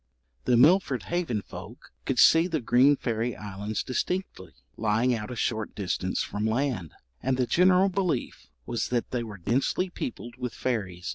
The Milford Haven folk could see the green fairy islands distinctly, lying out a short distance from land; and the general belief was that they were densely peopled with fairies.